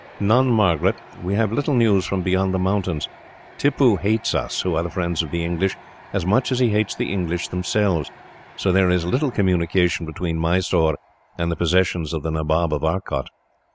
"None, Margaret. We have little news from beyond the mountains. Tippoo hates us, who are the friends of the English, as much as he hates the English themselves, so there is little communication between Mysore and the possessions of the Nabob of Arcot.